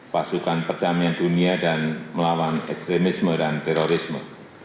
pasukan perdamaian dunia dan melawan ekstremisme dan terorisme